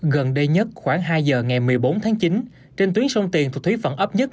gần đây nhất khoảng hai giờ ngày một mươi bốn tháng chín trên tuyến sông tiền thuộc thúy phận ấp một